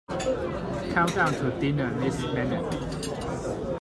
Come down to dinner this minute.